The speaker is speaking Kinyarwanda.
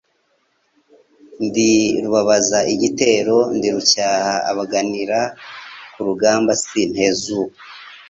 Ndi rubabaza igitero, ndi rucyaha abaganira, ku rugamba sintezuka.